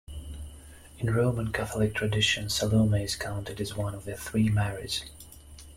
In Roman Catholic tradition Salome is counted as one of the Three Marys.